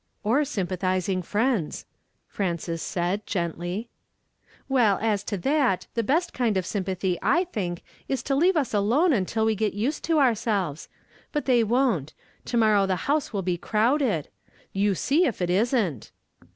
"Or sympathizing friends," Frances said, gently. " Well, as to that, the l)est kind of sympathy, I think, is to leave us alone until Ave get used to ourselves. But they won't; to morrow the liouse will be crowded ! you see if it isn't.